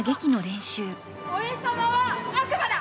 俺様は悪魔だ！